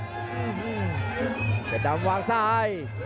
อื้อฮือเป็นดำวางซ้าย